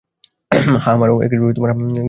হ্যাঁ, আমারও।